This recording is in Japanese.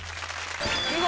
見事。